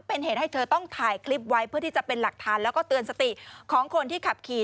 เป็นเหตุให้เธอต้องถ่ายคลิปไว้เพื่อที่จะเป็นหลักฐานแล้วก็เตือนสติของคนที่ขับขี่